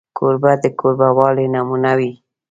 کوربه د کوربهوالي نمونه وي.